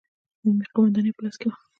عمومي قومانداني په لاس کې وه.